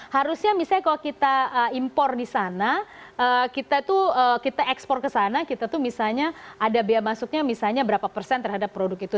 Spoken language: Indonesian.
harusnya misalnya kalau kita impor di sana kita tuh kita ekspor ke sana kita tuh misalnya ada biaya masuknya misalnya berapa persen terhadap produk itu